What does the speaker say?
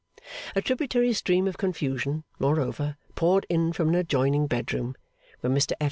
A tributary stream of confusion, moreover, poured in from an adjoining bedroom, where Mr F.